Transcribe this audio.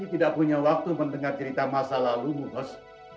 kami tidak punya waktu mendengar cerita masa lalu gos